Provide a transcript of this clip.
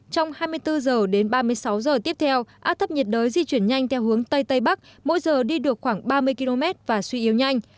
trong hai mươi bốn h đến ba mươi sáu h tiếp theo áp thấp nhiệt đới di chuyển nhanh theo hướng tây tây bắc mỗi giờ đi được khoảng ba mươi km và suy yếu nhanh